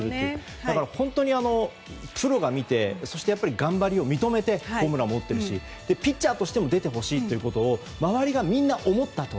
だから本当にプロが見てそして頑張りを認めてホームランも打ってるしピッチャーとしても出てほしいということを周りがみんな思ったと。